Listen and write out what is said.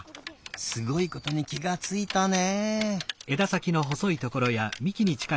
すごいことにきがついたね。